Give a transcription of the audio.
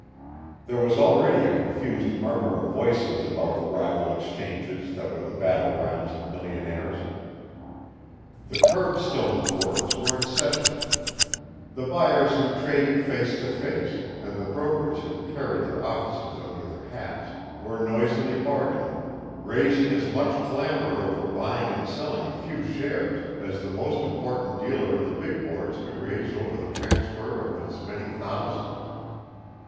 There was already a confused murmur of voices about the rival exchanges that were the battlegrounds of millionaires. The "curbstone boards" were in session. The buyers who traded face to face, and the brokers who carried their offices under their hats, were noisily bargaining, raising as much clamor over buying and selling a few shares as the most important dealer in the big boards could raise over the transfer of as many thousands.